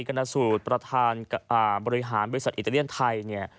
กานะสูตรประธานบริหารบริษัทอิตาเลียนไทย